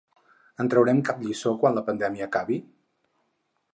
En traurem cap lliçó quan la pandèmia acabi?